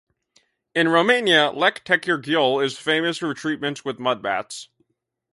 In Romania, Lake Techirghiol is famous for treatments with mud baths.